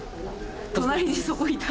隣にそこいた。